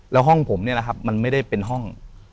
แล้วห้องผมเนี่ยนะครับมันไม่ได้เป็นห้อง